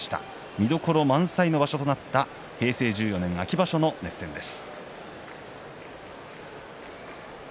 見どころ満載となった平成１４年の熱戦です。